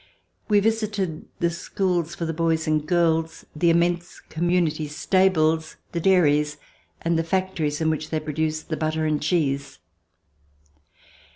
We visited the schools for the boys and girls, the immense community stables, the dairies, and the factories In which they produced the butter and cheese.